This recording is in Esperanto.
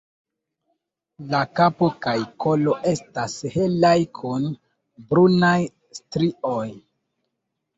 La kapo kaj kolo estas helaj kun brunaj strioj.